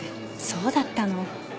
そうだったの！